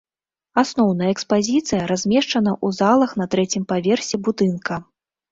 Асноўная экспазіцыя размешчана ў залах на трэцім паверсе будынка.